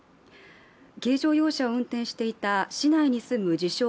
軽乗用車を運転していた市内に住む自称